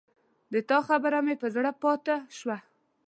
د تا خبره مې پر زړه پاته شوه